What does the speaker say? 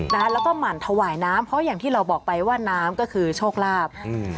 นะคะแล้วก็หมั่นถวายน้ำเพราะอย่างที่เราบอกไปว่าน้ำก็คือโชคลาภอืม